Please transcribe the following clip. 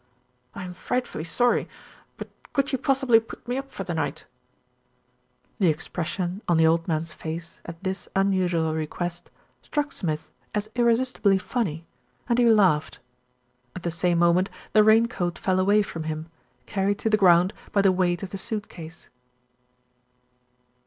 "I'm frightfully sorry; but could you pos sibly put me up for the night?" THE GIRL AT THE WINDOW 29 The expression on the old man's face at this unusual request struck Smith as irresistibly funny, and he laughed. At the same moment the rain coat fell away from him, carried to the ground by the weight of the suit case.